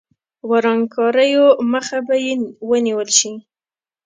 ورانکاریو مخه به یې ونیول شي.